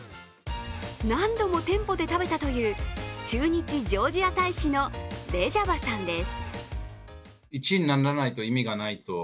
何度も店舗で食べたという駐日ジョージア大使のレジャバさんです。